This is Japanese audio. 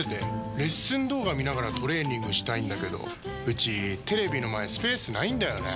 レッスン動画見ながらトレーニングしたいんだけどうちテレビの前スペースないんだよねー。